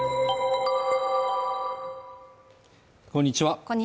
こんにちは